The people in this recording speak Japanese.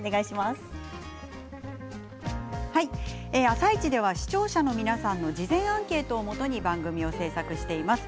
「あさイチ」では視聴者の皆さんの事前アンケートをもとに番組を制作しています。